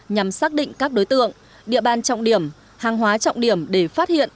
nhằm xác định các đối tượng địa bàn trọng điểm hàng hóa trọng điểm để phát hiện